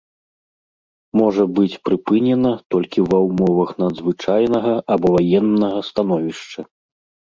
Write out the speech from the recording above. Можа быць прыпынена толькі ва ўмовах надзвычайнага або ваеннага становішча.